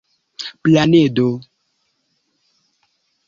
planedo